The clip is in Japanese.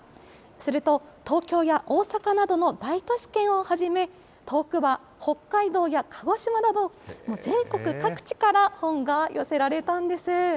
すると、東京や大阪などの大都市圏をはじめ、遠くは北海道や鹿児島など、もう全国各地から本が寄せられたんです。